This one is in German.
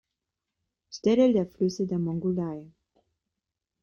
Stelle der Flüsse der Mongolei.